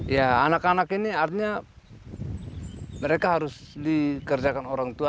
ya anak anak ini artinya mereka harus dikerjakan orang tua